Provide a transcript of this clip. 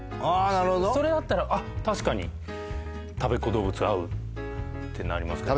なるほどそれだったら「あっ確かにたべっ子どうぶつ合う」ってなりますけど